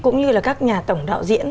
cũng như là các nhà tổng đạo diễn